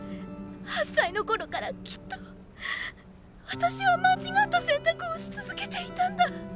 ８歳の頃からきっと私は間違った選択をしつづけていたんだ。